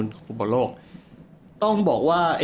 เล่นปีกเลยก็ได้